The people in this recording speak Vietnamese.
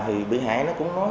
thì bị hại nó cũng nói